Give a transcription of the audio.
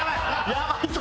やばいぞ！